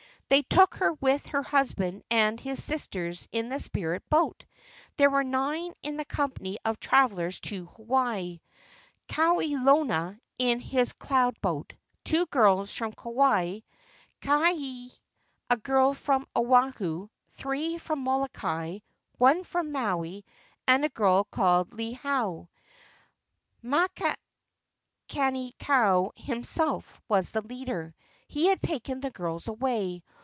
They took her with her husband and his sisters in the spirit boat. There were nine in the company of travellers to Hawaii: Kawelona in his cloud boat; two girls from Kauai; Kaiahe, a girl from Oahu; three from Molokai, one from Maui; and a girl called Lihau. Makani kau himself was the leader; he had taken the girls away.